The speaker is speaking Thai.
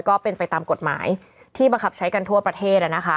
ก็เป็นไปตามกฎหมายที่บังคับใช้กันทั่วประเทศ